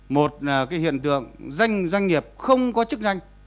một là cái hiện tượng doanh nghiệp không có chức danh